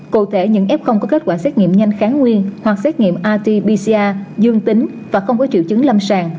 cụ thể những f có kết quả xét nghiệm nhanh kháng nguyên hoặc xét nghiệm rt pcr dương tính và không có triệu chứng lâm sàng